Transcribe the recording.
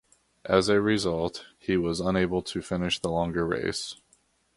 As a result, he was unable to finish the longer race.